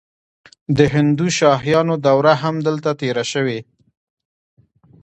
د هندوشاهیانو دوره هم دلته تیره شوې